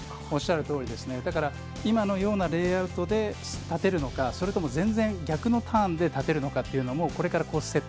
おっしゃるとおりで今のようなレイアウトで立てるのかそれとも全然逆のターンで立てるのかこれからコース